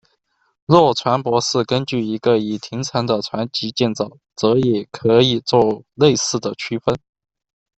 若船舶是根据一个已停产的船级建造，则也可以作类似的区分。